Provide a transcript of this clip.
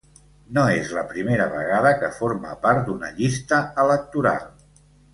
No és la primera vegada que forma part d’una llista electoral.